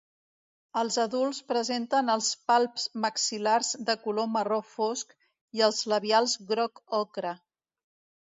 Els adults presenten els palps maxil·lars de color marró fosc i els labials groc ocre.